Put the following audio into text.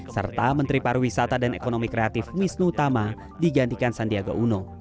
serta menteri pariwisata dan ekonomi kreatif wisnu tama digantikan sandiaga uno